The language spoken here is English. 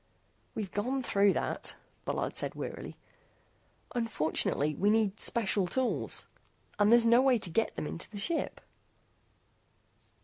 "We've gone through that," Bullard said wearily. "Unfortunately we need special tools. And there's no way to get them into the ship."